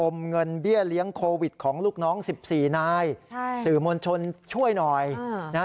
เงินเบี้ยเลี้ยงโควิดของลูกน้องสิบสี่นายใช่สื่อมวลชนช่วยหน่อยนะฮะ